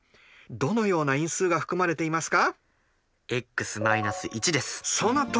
どのような因数が含まれていますか？